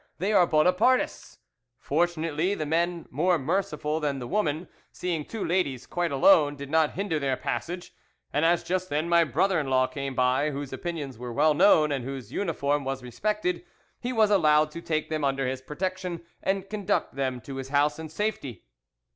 they are Bonapartists!' Fortunately the men, more merciful than the woman, seeing two ladies quite alone, did not hinder their passage, and as just then my brother in law came by, whose opinions were well known and whose uniform was respected, he was allowed to take them under his protection and conduct them to his house in safety.